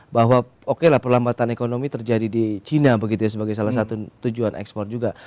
bahwa oke lah perlambatan ekonomi terjadi di cina begitu ya sebagai salah satu tujuan ekspor juga